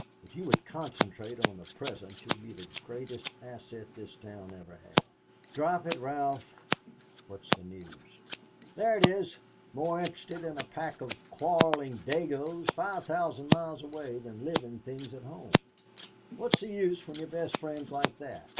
If you would concentrate on the present, you would be the greatest asset this town ever had." "Drop it, Ralph. What's the news?" "There it is more interested in a pack of quarreling Dagoes 5,000 miles away than living things at home. What's the use when your best friend's like that?